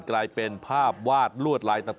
กลายเป็นภาพวาดรวดลายต่างอย่างสวยงามและลงตัวนะครับ